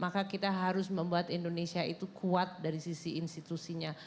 maka kita harus membuat indonesia itu kuat dari sisi institusinya